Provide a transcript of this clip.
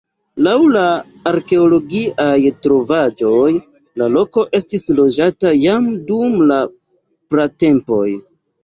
Laŭ la arkeologiaj trovaĵoj la loko estis loĝata jam dum la pratempoj.